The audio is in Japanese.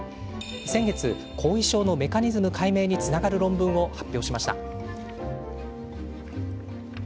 先月、後遺症のメカニズム解明につながる論文を発表しました。